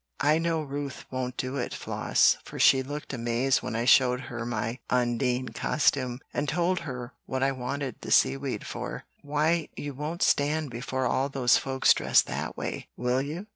"I know Ruth won't do it, Floss, for she looked amazed when I showed her my Undine costume, and told her what I wanted the sea weed for. 'Why, you won't stand before all those folks dressed that way, will you?'